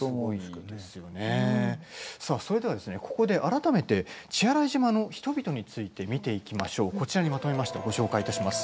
それではここで改めて血洗島の人々について見ていきましょう。